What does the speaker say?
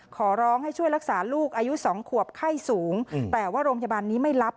ขอร้องให้ช่วยรักษาลูกอายุ๒ขวบไข้สูงแต่ว่าโรงพยาบาลนี้ไม่รับ